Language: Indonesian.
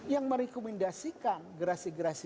yang merekomendasikan grasi grasi